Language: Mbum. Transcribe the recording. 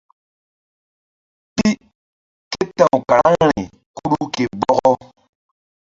Pi ke ta̧w karaŋri Kuɗu ke Bɔkɔ.